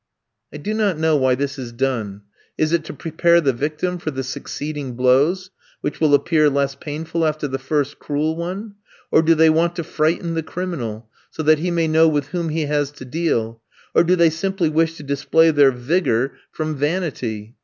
I do not know why this is done. Is it to prepare the victim for the succeeding blows, which will appear less painful after the first cruel one; or do they want to frighten the criminal, so that he may know with whom he has to deal; or do they simply wish to display their vigour from vanity?